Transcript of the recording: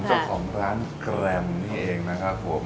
เจ้าของร้านแกรมนี่เองนะครับผม